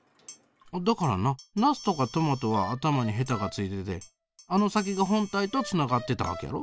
だからなナスとかトマトは頭にヘタが付いててあの先が本体とつながってたわけやろ？